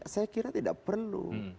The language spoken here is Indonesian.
saya kira tidak perlu